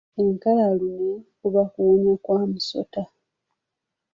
Ekkalalume kuba kuwunya kwa musota.